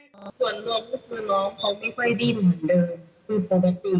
ส่วนร่วมคือน้องเค้าไม่ค่อยดิ้นเหมือนเดิม